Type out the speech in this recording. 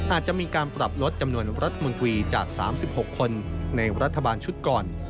อาจจะมีการปรับลดจำนวนรัฐมนตรีจาก๓๖คนในรัฐบาลชุดก่อน